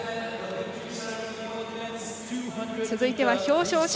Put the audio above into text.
続いては表彰式。